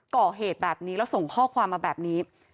ก่อเหตุแบบนี้แล้วส่งข้อความมาแบบนี้